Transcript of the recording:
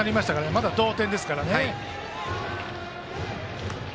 まだ同点ですからね。